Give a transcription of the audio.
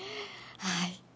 はい。